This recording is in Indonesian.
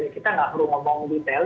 kita nggak perlu ngomong detail